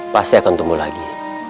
pasti akan tumbuh lagi